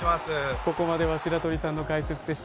ここまでは白鳥さんの解説でした。